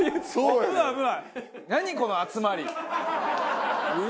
危ない危ない。